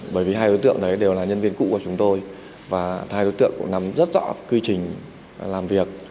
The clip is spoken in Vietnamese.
bởi vì hai đối tượng đấy đều là nhân viên cũ của chúng tôi và hai đối tượng cũng nắm rất rõ quy trình làm việc